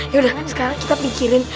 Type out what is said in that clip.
yaudah sekarang kita pikirin